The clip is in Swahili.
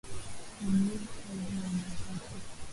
Aliiba kazi ya mwenzake